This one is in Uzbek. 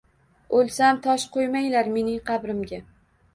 – O’lsam, tosh qo’ymanglar mening qabrimga…